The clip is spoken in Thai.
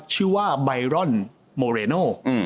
ชื่อว่าแบไรนมเลโน